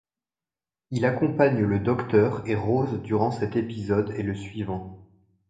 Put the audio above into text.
Il accompagne le Docteur et Rose durant cet épisode et le suivant.